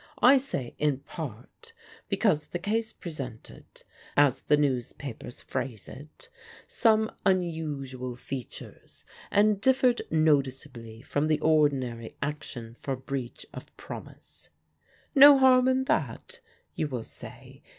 I say "in part," because the case presented (as the newspapers phrase it) some unusual features, and differed noticeably from the ordinary Action for Breach of Promise. "No harm in that," you will say?